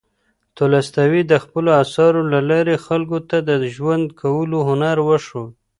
تولستوی د خپلو اثارو له لارې خلکو ته د ژوند کولو هنر وښود.